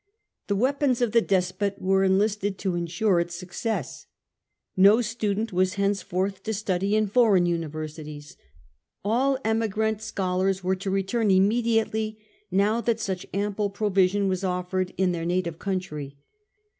The weapons of the despot were enlisted to ensure its success. No student was henceforth to study in foreign universities : all emigrant scholars were to return immediately now that such ample provision was offered in their native country.